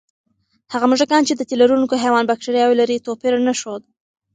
هغه موږکان چې د تیلرونکي حیوان بکتریاوې لري، توپیر نه ښود.